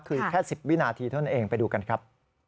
คือแค่๑๐วินาทีเท่านั้นเองไปดูกันครับ